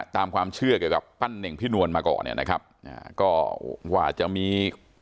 ตามความเชื่อเกี่ยวกับปั้นเน่งพี่นวลมาก่อนเนี่ยนะครับอ่าก็ว่าจะมี